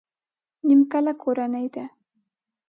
نيمکله کورنۍ ده.